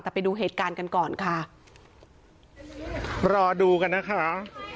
แต่ไปดูเหตุการณ์กันก่อนค่ะรอดูกันนะคะ